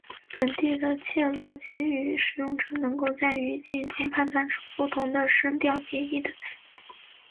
本地的切罗基语使用者能够在语境中判断出不同的声调别义的词。